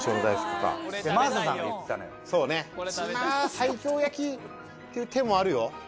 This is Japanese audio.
西京焼きっていう手もあるよ。